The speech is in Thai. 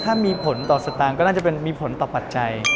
ถ้ามีผลต่อสตางค์ก็คงจะมีผลต่อใจ